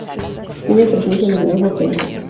Tienen presencia en numerosos países.